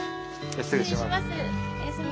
失礼します。